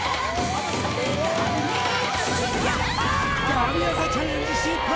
神業チャレンジ失敗！